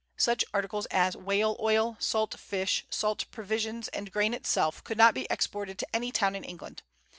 Such articles as whale oil, salt fish, salt provisions, and grain itself, could not be exported to any town in England.